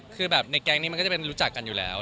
คือแบบในแก๊งนี้มันก็จะเป็นรู้จักกันอยู่แล้ว